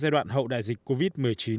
đoạn hậu đại dịch covid một mươi chín